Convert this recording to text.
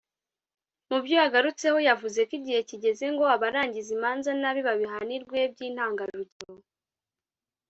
mu byo yagarutseho yavuze ko igihe kigeze ngo abarangiza imanza nabi babihanirwe by’intangarugero